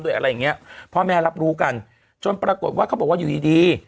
อะไรอย่างเงี้ยพ่อแม่รับรู้กันจนปรากฏว่าเขาบอกว่าอยู่ดีดี